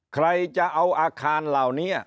ใครจะเอาอาคารเหล่านี้